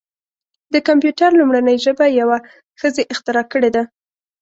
د کمپیوټر لومړنۍ ژبه یوه ښځې اختراع کړې ده.